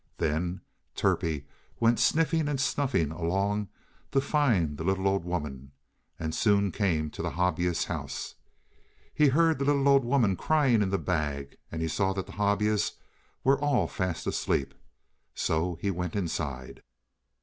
Then Turpie went sniffing and snuffing along to find the little old woman, and soon came to the Hobyahs' house. He heard the little old woman crying in the bag, and he saw that the Hobyahs were all fast asleep. So he went inside.